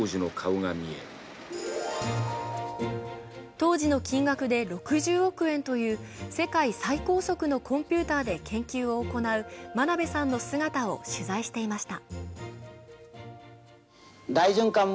当時の金額で６０億円という世界最高速のコンピューターで研究を行う真鍋さんの姿を取材していました。